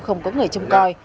không có người châm coi